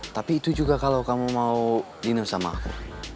tapi itu juga kalau kamu mau minum sama aku